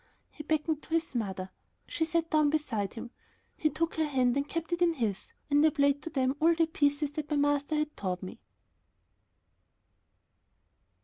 He beckoned to his mother. She sat down beside him. He took her hand and kept it in his, and I played to them all the pieces that my master had taught me.